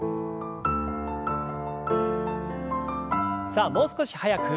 さあもう少し速く。